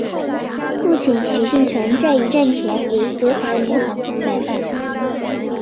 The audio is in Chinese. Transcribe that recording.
父亲许杏泉在一战前为德华银行买办。